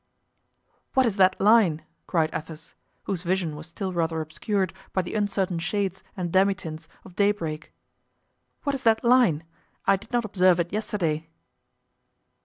"What is that line?" cried Athos, whose vision was still rather obscured by the uncertain shades and demi tints of daybreak. "What is that line? I did not observe it yesterday."